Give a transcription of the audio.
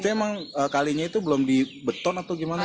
itu emang kalinya itu belum dibeton atau gimana sih